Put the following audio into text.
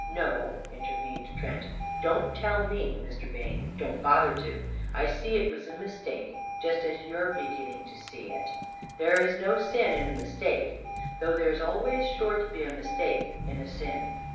"No," intervened Trent. "Don't tell me, Mr. Bayne; don't bother to. I see it was a mistake. Just as you are beginning to see it. There's no sin in a mistake. Though there's always sure to be a mistake in a sin.